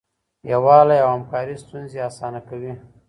یووالی او همکاري ستونزې اسانه کوي.